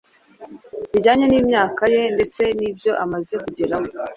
bijyana n’imyaka ye ndetse n’ibyo amaze kugeraho